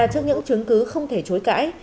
trước những chứng cứ không thể chối cãi